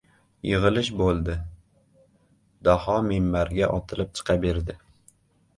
Yig‘ilish bo‘ldi, Daho minbarga otilib chiqa berdi.